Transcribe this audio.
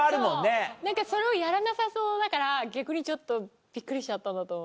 そうそれをやらなさそうだから逆にちょっとびっくりしちゃったんだと思う。